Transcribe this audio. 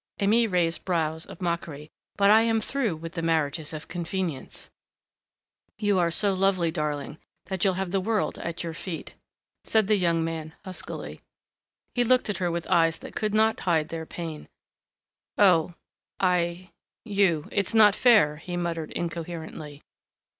Aimée raised brows of mockery. "But I am through with the marriages of convenience " "You're so lovely, darling, that you'll have the world at your feet," said the young man huskily. He looked at her with eyes that could not hide their pain. "Oh, I you it's not fair " he muttered incoherently.